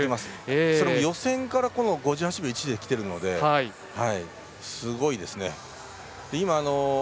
それも予選から５８秒１できているのですごいですね。